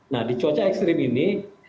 nah di cuaca ekstrim ini